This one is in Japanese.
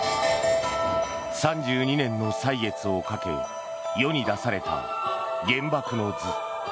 ３２年の歳月をかけ世に出された「原爆の図」。